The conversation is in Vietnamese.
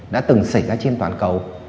đã từng xảy ra trên toàn cầu